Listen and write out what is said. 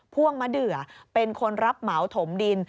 พ่วงมะเดือเป็นคนรับเหมาถมดิน